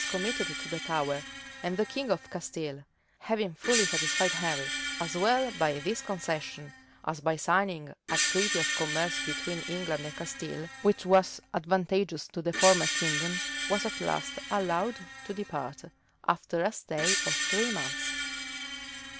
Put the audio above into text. Upon his appearance, he was committed to the Tower; and the king of Castile, having fully satisfied Henry, as well by this concession as by signing a treaty of commerce between England and Castile, which was advantageous to the former kingdom,[*] was at last allowed to depart, after a stay of three months.